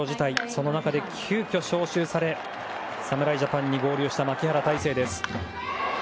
その中で急きょ招集され侍ジャパンに合流した牧原大成です。